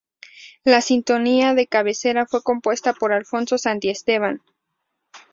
La sintonía de cabecera fue compuesta por Alfonso Santisteban.